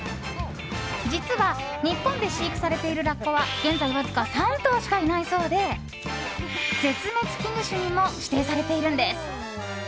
実は日本で飼育されているラッコは現在わずか３頭しかいないそうで絶滅危惧種にも指定されているんです。